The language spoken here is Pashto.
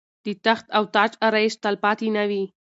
د تخت او تاج آرایش تلپاتې نه وي.